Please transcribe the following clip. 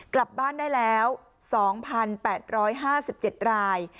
กลับบ้านได้แล้ว๒๘๕๗ราย